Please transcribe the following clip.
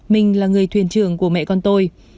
minh là người thuyền trưởng của mẹ con tôi